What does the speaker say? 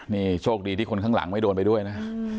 นี่โชคดีที่คนข้างหลังไม่โดนไปด้วยนะ